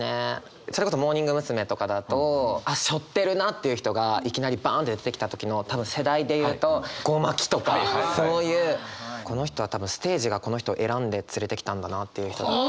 それこそモーニング娘。とかだとあっ背負ってるなっていう人がいきなりバンって出てきた時の多分世代で言うとゴマキとかそういうこの人は多分ステージがこの人を選んで連れてきたんだなっていう人。